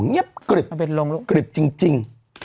เงี๊ยบเกร็บเกร็บจริง